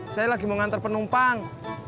saya lagi mau ngantar penumpang